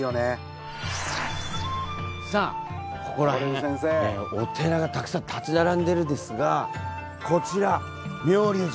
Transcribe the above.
さあここら辺お寺がたくさん立ち並んでるんですがこちら妙立寺。